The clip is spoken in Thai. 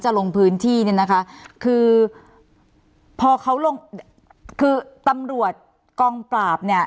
ลงพื้นที่เนี่ยนะคะคือพอเขาลงคือตำรวจกองปราบเนี่ย